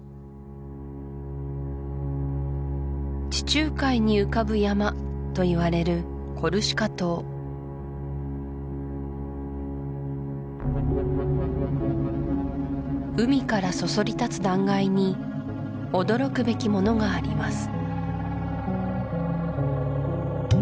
地中海に浮かぶ山といわれるコルシカ島海からそそり立つ断崖に驚くべきものがあります